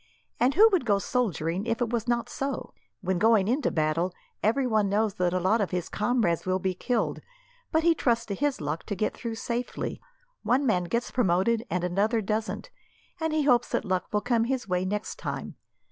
And who would go soldiering, if it was not so? When going into battle, everyone knows that a lot of his comrades will be killed, but he trusts to his luck to get through safely. One man gets promoted and another doesn't, and he hopes that luck will come his way next time.